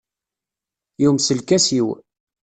Yumes lkas-iw.